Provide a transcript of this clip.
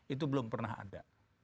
itu belum pernah ada